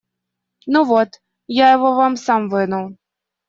Ну вот, я его вам сам вынул.